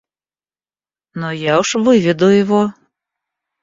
Но я уж выведу его.